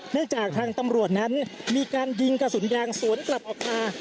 จากทางตำรวจนั้นมีการยิงกระสุนยางสวนกลับออกมา